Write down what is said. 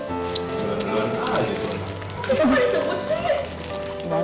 kenapa dia sebut sendiri